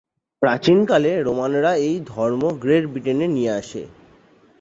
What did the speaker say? প্রাচীনকালে রোমানরা এই ধর্ম গ্রেট ব্রিটেনে নিয়ে আসে।